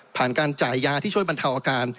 การจ่ายยาที่ช่วยบรรเทาอาการ